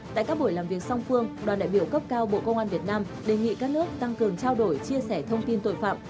tại các buổi làm việc song phương đoàn đại biểu cấp cao bộ công an việt nam đề nghị các nước tăng cường trao đổi chia sẻ thông tin tội phạm